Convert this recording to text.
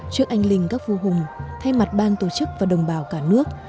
trước anh linh các vua hùng thay mặt ban tổ chức và đồng bào cả nước